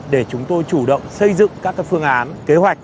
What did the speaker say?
để chúng tôi chủ động xây dựng các phương án kế hoạch